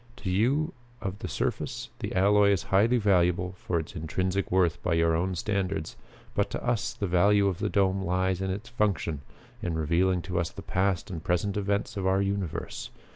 To you of the surface the alloy is highly valuable for its intrinsic worth by your own standards, but to us the value of the dome lies in its function in revealing to us the past and present events of our universe.